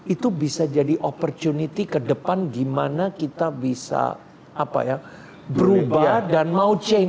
itu bisa jadi opportunity ke depan gimana kita bisa berubah dan mau chain